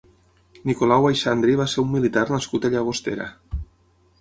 Nicolau Aixandri va ser un militar nascut a Llagostera.